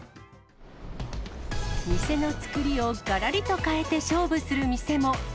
店の造りをがらりと変えて勝負する店も。